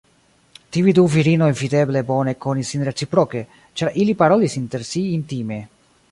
Tiuj du virinoj videble bone konis sin reciproke, ĉar ili parolis inter si intime.